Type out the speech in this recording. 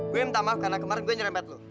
gue minta maaf karena kemarin gue nyerempet lo